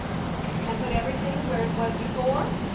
" And put everything where it was before